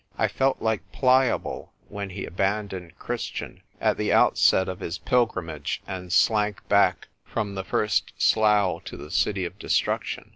I felt like Pliable when he abandoned Christian at the outset of his pilgrimage, and siank back from the first slough to the City of Destruction.